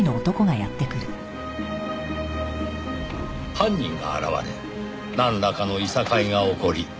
犯人が現れなんらかの諍いが起こり。